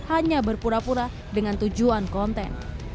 hanya berpura pura dengan tujuan konten